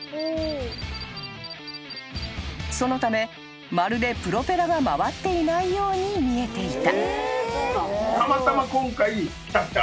［そのためまるでプロペラが回っていないように見えていた］